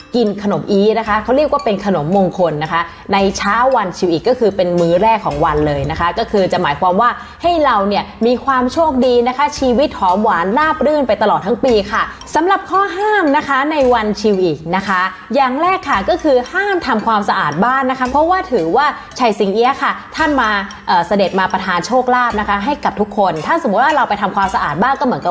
ของวันเลยนะคะก็คือจะหมายความว่าให้เราเนี้ยมีความโชคดีนะคะชีวิตหอมหวานราบรื่นไปตลอดทั้งปีค่ะสำหรับข้อห้ามนะคะในวันชิลอีกนะคะอย่างแรกค่ะก็คือห้ามทำความสะอาดบ้านนะคะเพราะว่าถือว่าชัยสิงเหี้ยค่ะท่านมาเอ่อเสด็จมาประทานโชคลาภนะคะให้กับทุกคนถ้าสมมุติว่าเราไปทำความสะอาดบ้านก็เหมื